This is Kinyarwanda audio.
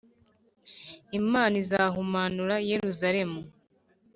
Imana izahumanura Yeruzalemu